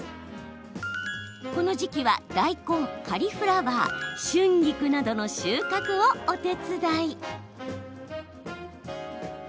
この時期は、大根、カリフラワー春菊などの収穫をお手伝い。